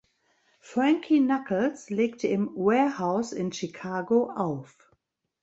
Frankie Knuckles legte im Warehouse in Chicago auf.